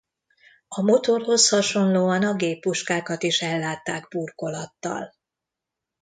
A motorhoz hasonlóan a géppuskákat is ellátták burkolattal.